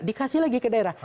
dikasih lagi ke daerah